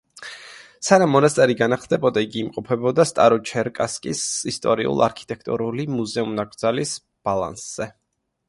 სანამ მონასტერი განახლდებოდა იგი იმყოფებოდა სტაროჩერკასკის ისტორიულ-არქიტექტურული მუზეუმ-ნაკრძალის ბალანსზე.